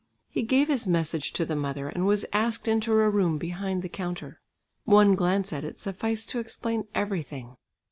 He gave his message to the mother and was asked into a room behind the counter. One glance at it sufficed to explain everything.